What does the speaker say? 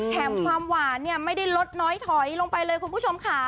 แถมความหวานเนี่ยไม่ได้ลดน้อยถอยลงไปเลยคุณผู้ชมค่ะ